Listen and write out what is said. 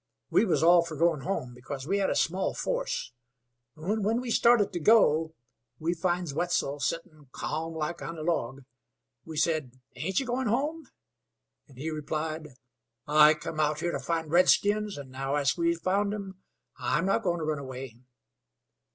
We was all fer goin' home, because we had a small force. When we started to go we finds Wetzel sittin' calm like on a log. We said: 'Ain't ye goin' home?' and he replied, 'I cum out to find redskins, an' now as we've found 'em, I'm not goin' to run away.'